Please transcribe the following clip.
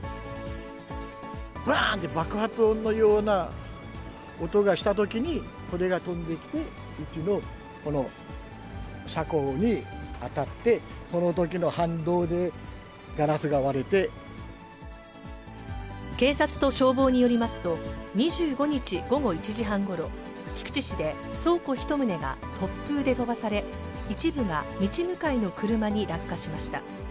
ばーんって爆発音のような音がしたときに、これが飛んできて、うちのこの車庫に当たって、警察と消防によりますと、２５日午後１時半ごろ、菊池市で、倉庫１棟が突風で飛ばされ、一部が道向かいの車に落下しました。